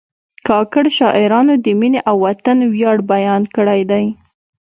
کاکړ شاعرانو د مینې او وطن ویاړ بیان کړی دی.